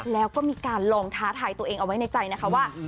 แล้วก็มีการลองท้าทายตัวเองเอาไว้ในใจนะคะว่า